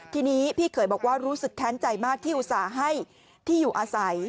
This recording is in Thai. ทีนี้พี่เขยบอกว่ารู้สึกแค้นใจมากที่อุตส่าห์ให้ที่อยู่อาศัย